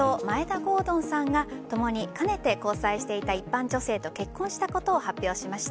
郷敦さんが共にかねてから交際していた一般女性と結婚したことを発表しました。